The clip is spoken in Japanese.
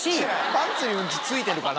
パンツにウンチついてるかな？